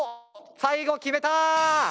最後決めた！